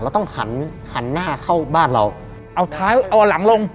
ต้องหันหันหน้าเข้าบ้านเราเอาเท้าเอาหลังลง